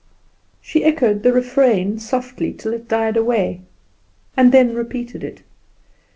She echoed the refrain softly till it died away, and then repeated it.